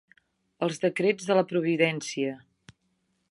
Els decrets de la providència.